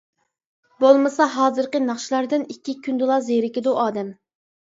بولمىسا ھازىرقى ناخشىلاردىن ئىككى كۈندىلا زېرىكىدۇ ئادەم.